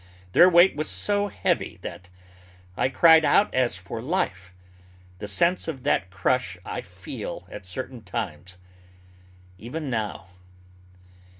Their weight was so heavy that I cried out as for life. The sense of that crush I feel at certain times even now.